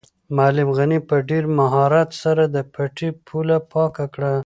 معلم غني په ډېر مهارت سره د پټي پوله پاکه کړه.